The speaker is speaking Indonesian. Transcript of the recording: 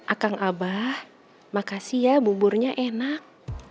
akang abah makasih ya buburnya enak